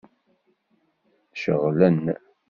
Ceɣlen?